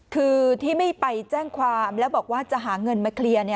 คือที่ไม่ไปแจ้งความแล้วบอกว่าจะหาเงินมาเคลียร์